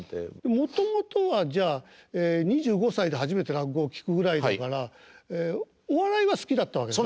もともとはじゃあ２５歳で初めて落語を聴くぐらいだからお笑いは好きだったわけでしょ？